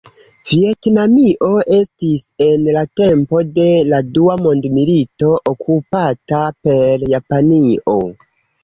Vjetnamio estis en la tempo de la dua mondmilito okupata per Japanio.